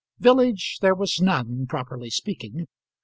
Village there was none, properly speaking.